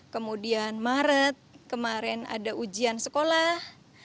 kemudian maret kemarin ada ujian sekolah